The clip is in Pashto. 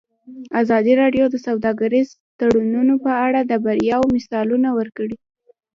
ازادي راډیو د سوداګریز تړونونه په اړه د بریاوو مثالونه ورکړي.